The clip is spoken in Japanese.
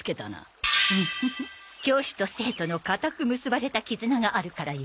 ウフフ教師と生徒の固く結ばれた絆があるからよ。